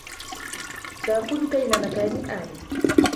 سآخذك إلى مكان آمن.